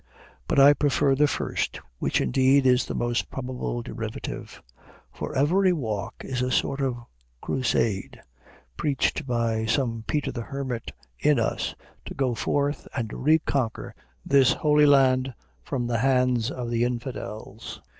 But I prefer the first, which, indeed, is the most probable derivation. For every walk is a sort of crusade, preached by some Peter the Hermit in us, to go forth and reconquer this Holy Land from the hands of the Infidels.